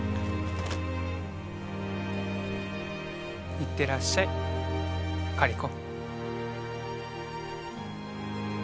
いってらっしゃいカリコ。